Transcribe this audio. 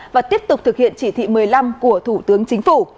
và tiếp tục thực hiện chỉ thị một mươi năm của thủ tướng chính phủ